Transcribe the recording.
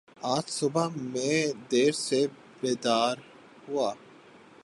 آج صبح میں دیر سے بیدار ہوا